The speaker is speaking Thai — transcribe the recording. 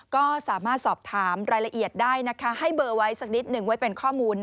ก็สามารถสอบถามรายละเอียดได้ให้เบอร์ไว้สักนิดหนึ่งไว้เป็นข้อมูล